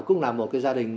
cũng là một gia đình